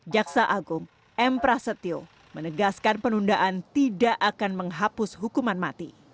jaksa agung m prasetyo menegaskan penundaan tidak akan menghapus hukuman mati